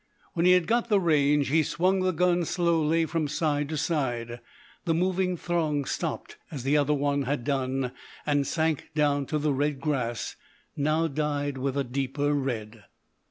When he had got the range he swung the gun slowly from side to side. The moving throng stopped, as the other one had done, and sank down to the red grass, now dyed with a deeper red.